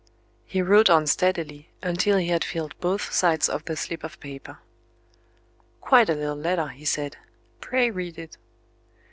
He wrote on steadily, until he had filled both sides of the slip of paper. "Quite a little letter," he said. "Pray read it."